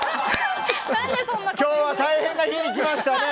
今日は大変な日に来ましたね。